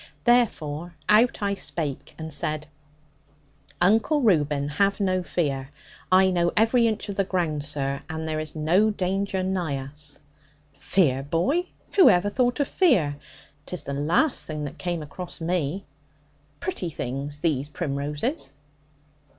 Therefore, out I spake, and said, 'Uncle Reuben, have no fear. I know every inch of the ground, sir; and there is no danger nigh us.' 'Fear, boy! Who ever thought of fear? 'Tis the last thing would come across me. Pretty things those primroses.'